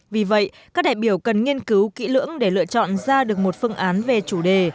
vì vậy các đại biểu cần nghiên cứu kỹ lưỡng để lựa chọn ra được một phương án về chủ đề